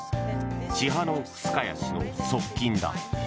チハノフスカヤ氏の側近だ。